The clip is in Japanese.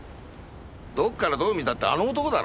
どっからどう見たってあの男だろ。